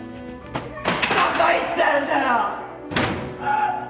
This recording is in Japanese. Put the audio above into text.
どこ行ったんだよ！？くそ！